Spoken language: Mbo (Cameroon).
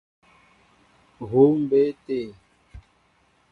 Huu mbé te.